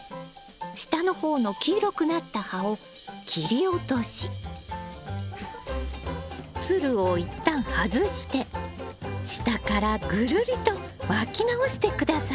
下の方の黄色くなった葉を切り落としつるを一旦外して下からぐるりと巻き直して下さい。